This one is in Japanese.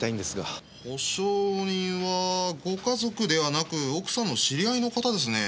保証人はご家族ではなく奥さんの知り合いの方ですねえ。